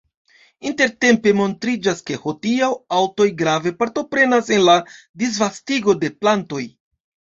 Intertempe montriĝas, ke hodiaŭ aŭtoj grave partoprenas en la disvastigo de plantoj.